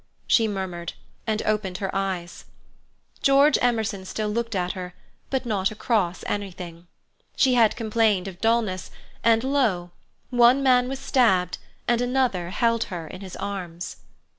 she murmured, and opened her eyes. George Emerson still looked at her, but not across anything. She had complained of dullness, and lo! one man was stabbed, and another held her in his arms.